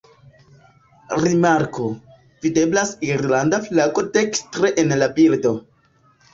Rimarko: Videblas irlanda flago dekstre en la bildo.